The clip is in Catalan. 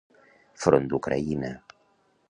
Front d'Ucraïna.